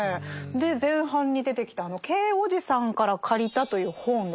前半に出てきたあのＫ伯父さんから借りたという本ですよ。